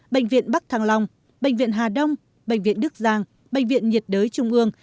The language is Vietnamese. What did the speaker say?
bệnh viện bắc thăng long bệnh viện hà đông bệnh viện đức giang bệnh viện nhiệt đới trung ương